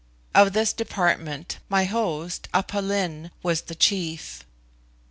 Of this department my host, Aph Lin, was the chief.